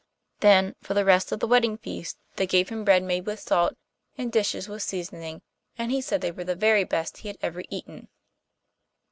Then, for the rest of the wedding feast they gave him bread made with salt, and dishes with seasoning, and he said they were the very best he had ever eaten.